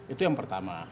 itu yang pertama